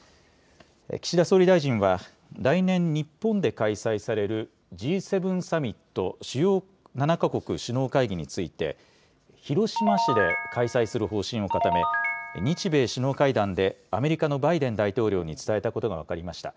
岸田総理大臣は、来年、日本で開催されるＧ７サミット・主要７か国首脳会議について、広島市で開催する方針を固め、日米首脳会談でアメリカのバイデン大統領に伝えたことが分かりました。